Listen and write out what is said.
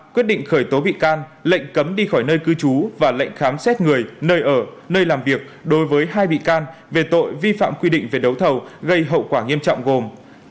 quyết định khởi tố bị can lệnh cấm đi khỏi nơi cư trú và lệnh khám xét người nơi ở nơi làm việc đối với hai bị can về tội vi phạm quy định về đấu thầu gây hậu quả nghiêm trọng gồm